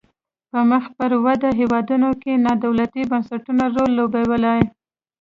په مخ پر ودې هیوادونو کې نا دولتي بنسټونو رول لوبولای.